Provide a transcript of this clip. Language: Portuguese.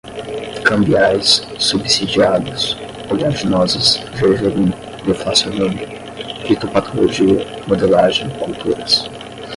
cambiais, subsidiados, oleaginosas, gergelim, deflacionando, fitopatologia, modelagem, culturas